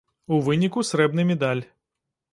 У выніку срэбны медаль.